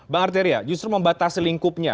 bang arteria justru membatasi lingkupnya